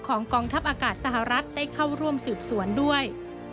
กองทัพอากาศสหรัฐได้เข้าร่วมสืบสวนด้วย